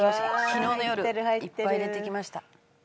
昨日の夜いっぱい入れてきました。